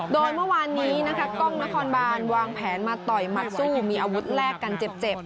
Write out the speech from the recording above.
โดยเมื่อวานนี้นะคะกล้องนครบานวางแผนมาต่อยหมัดสู้มีอาวุธแลกกันเจ็บ